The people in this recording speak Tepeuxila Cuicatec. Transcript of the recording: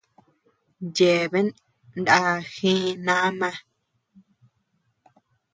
Yebean naa jee naama.